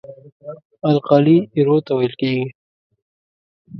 القلي ایرو ته ویل کیږي.